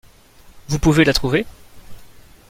Vous pouvez la trouver.